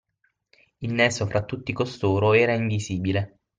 Il nesso fra tutti costoro era invisibile.